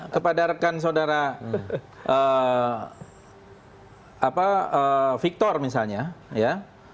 kepada rekan saudara victor misalnya ya